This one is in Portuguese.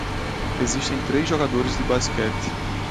Existem três jogadores de basquete